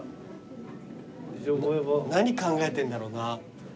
何考えてんだろうな。